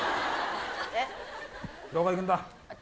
どこ行くんだ？